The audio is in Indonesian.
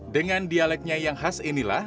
dengan dialeknya yang khas inilah